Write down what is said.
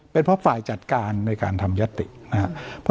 เป็นเพราะฝ่ายจัดการในการทำยัตตินะครับ